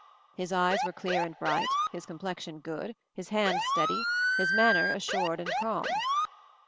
His eyes were clear and bright, his complexion good, his hand steady, his manner assured and calm.